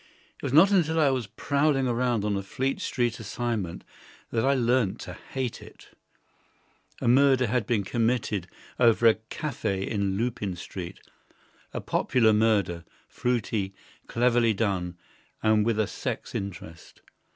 It was not until I was prowling around on a Fleet Street assignment that I learned to hate it. A murder had been committed over a café in Lupin Street; a popular murder, fruity, cleverly done, and with a sex interest.